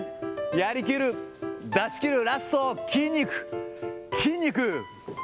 やりきる、出しきる、ラスト筋肉、筋肉。